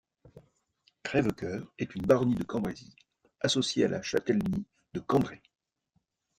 Crèvecœur est une baronnie du Cambrésis associée à la châtellenie de Cambrai.